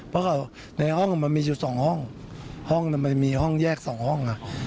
เพราะว่าในห้องมันมีอยู่๒ห้องห้องมันมีห้องแยก๒ห้อง